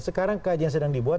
sekarang kajian sedang dibuat